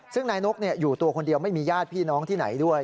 ซึ่งนายนกอยู่ตัวคนเดียวไม่มีญาติพี่น้องที่ไหนด้วย